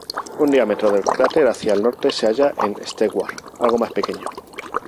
Un diámetro del cráter hacia el norte se halla Stewart, algo más pequeño.